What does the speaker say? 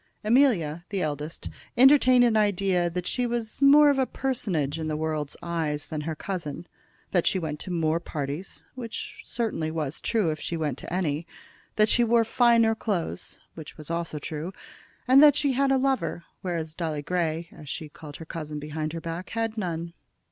Amelia, the eldest, entertained an idea that she was more of a personage in the world's eyes than her cousin, that she went to more parties, which certainly was true if she went to any, that she wore finer clothes, which was also true, and that she had a lover, whereas Dolly Grey, as she called her cousin behind her back, had none.